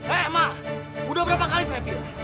eh emak udah berapa kali saya bilang